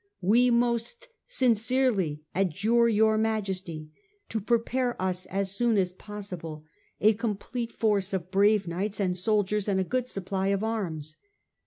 We most sincerely adjure your majesty to prepare us as soon as possible a complete force of brave knights and soldiers and a good supply of arms.